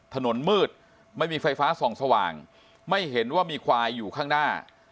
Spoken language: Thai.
ถนนมืดไม่มีไฟฟ้าส่องสว่างไม่เห็นว่ามีควายอยู่ข้างหน้า